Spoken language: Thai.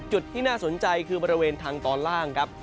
จุดที่น่าสนใจคือบริเวณทางตอนล่างครับ